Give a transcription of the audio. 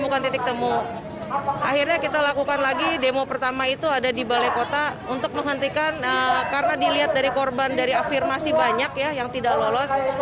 karena dilihat dari korban dari afirmasi banyak yang tidak lolos